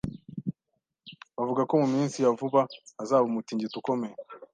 Bavuga ko mu minsi ya vuba hazaba umutingito ukomeye.